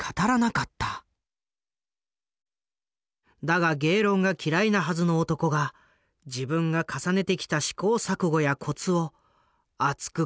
だが芸論が嫌いなはずの男が自分が重ねてきた試行錯誤やコツを熱く語り続けたという。